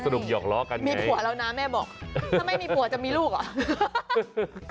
ถ้าไม่มีผัวจะมีลูกเหรอ